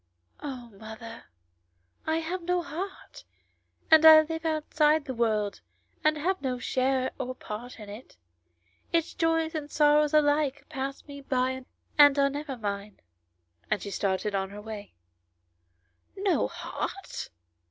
" Oh, mother, I have no heart, and I live outside the world and have no share or part in it ; its joys and sorrows alike pass me by and are never mine ;" and she started on her way. "No heart